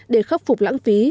để khắc phục lãng phí